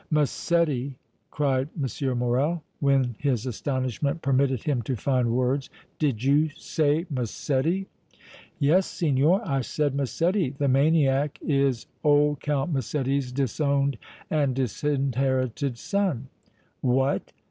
"Massetti!" cried M. Morrel, when his astonishment permitted him to find words. "Did you say Massetti?" "Yes, signor, I said Massetti. The maniac is old Count Massetti's disowned and disinherited son!" "What!